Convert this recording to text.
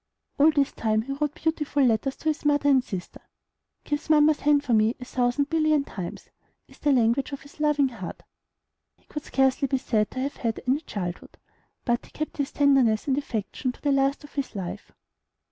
All this time he wrote beautiful letters to his mother and sister. "Kiss mamma's hand for me a thousand billion times," is the language of his loving heart. He could scarcely be said to have had any childhood; but he kept his tenderness and affection to the last of his life.